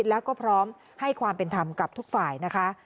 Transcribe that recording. แล้วก็พร้อมให้ความเป็นธรรมกับทุกฝ่ายนะคะ